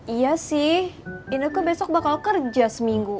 iya sih ineke besok bakal kerja seminggu